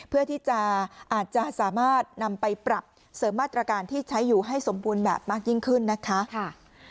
เพื่อที่จะอาจจะสามารถนำไปปรับเสริมมาตรการที่ใช้อยู่ให้สมบูรณ์แบบมากยิ่งขึ้นนะคะ